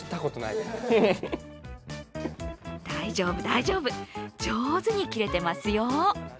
大丈夫、大丈夫、上手に切れていますよ。